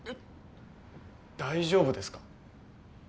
大丈夫ですか？